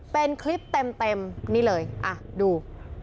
เป็นคลิปเต็มนี่เลยดู